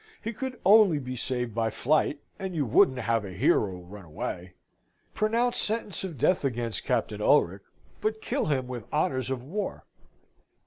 He could only be saved by flight, and you wouldn't have a hero run away! Pronounce sentence of death against Captain Ulric, but kill him with honours of war."